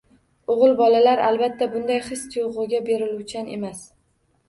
O‘g‘il bolalar, albatta, bunday his-tuyg‘uga beriluvchan emas